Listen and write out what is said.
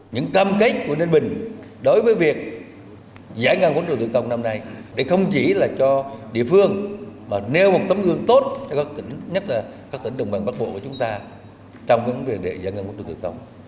những cam kết của ninh bình đối với việc giải ngân vốn đầu tư công năm nay để không chỉ là cho địa phương mà nêu một tấm gương tốt cho các tỉnh nhất là các tỉnh đồng bằng bắc bộ của chúng ta trong vấn đề để giải ngân vốn đầu tư công